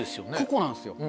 個々なんですよ。